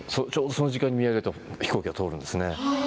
その時間に見上げると飛行機が飛ぶんです。